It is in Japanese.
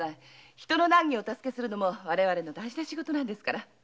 人の難儀を助けるのも私たちの大切な仕事ですから。